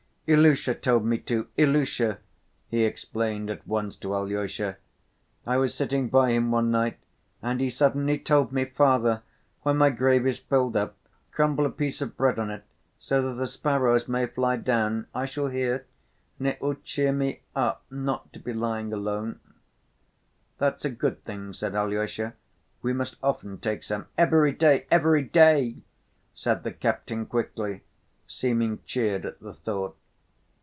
"Ilusha told me to, Ilusha," he explained at once to Alyosha. "I was sitting by him one night and he suddenly told me: 'Father, when my grave is filled up crumble a piece of bread on it so that the sparrows may fly down, I shall hear and it will cheer me up not to be lying alone.' " "That's a good thing," said Alyosha, "we must often take some." "Every day, every day!" said the captain quickly, seeming cheered at the thought.